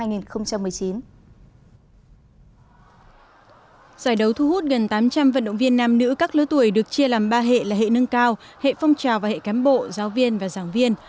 giải đấu thu hút gần tám trăm linh vận động viên nam nữ các lứa tuổi được chia làm ba hệ là hệ nâng cao hệ phong trào và hệ cán bộ giáo viên và giảng viên